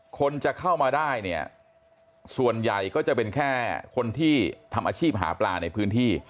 คนจะเข้ามาได้เนี่ยส่วนใหญ่ก็จะเป็นแค่คนที่ทำอาชีพหาปลาในพื้นที่